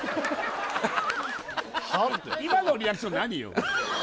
今のリアクション何よ？